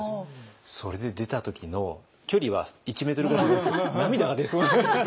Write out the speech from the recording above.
それで出た時の距離は１メートルぐらいなんですけど涙が出そうになって。